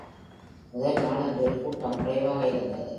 முதல் நாளன்றே கூட்டம் குறைவாக இருந்தது.